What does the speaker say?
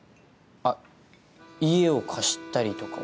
あっ家を貸したりとかは。